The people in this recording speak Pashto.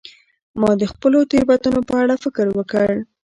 ما د خپلو تیروتنو په اړه فکر وکړ.